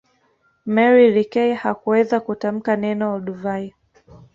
Mary leakey hakuweza kutamka neno olduvai